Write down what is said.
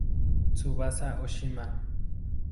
Tsubasa Oshima